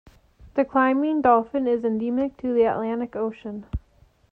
The Clymene dolphin is endemic to the Atlantic Ocean.